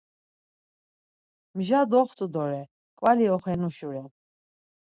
Mja doxtu dore, ǩvali oxenuşi ren.